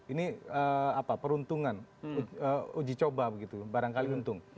ini apa peruntungan uji coba begitu barangkali untung